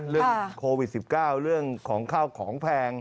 เรื่องโควิด๑๙เรื่องของข้าวของแพง